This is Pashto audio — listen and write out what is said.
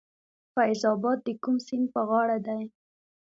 فیض اباد د کوم سیند په غاړه دی؟